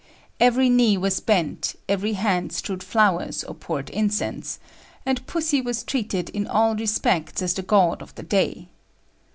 Every knee was bent, every hand strewed flowers or poured incense; and pussy was treated in all respects as the god of the day.